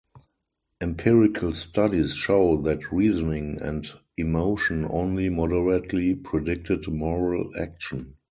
Empirical studies show that reasoning and emotion only moderately predicted moral action.